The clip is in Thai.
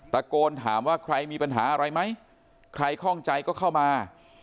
ตะโกนถามว่าใครมีปัญหาอะไรไหมใครคล่องใจก็เข้ามา